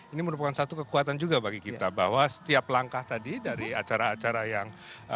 ini merupakan satu kekuatan juga bagi kita bahwa setiap langkah tadi dari acara acara yang